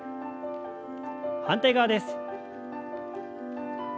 反対側です。